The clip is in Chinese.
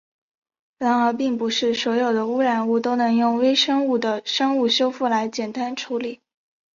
然而并不是所有的污染物都能用微生物的生物修复来简单处理。